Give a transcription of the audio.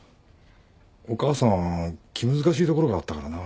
お母さん気難しいところがあったからな。